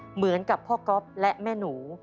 เหมือนกับพ่อก๊อฟและแม่หนู